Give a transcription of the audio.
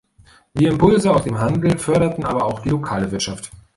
Die Impulse aus dem Handel förderten aber auch die lokale Wirtschaft.